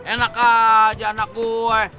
enak aja anak gue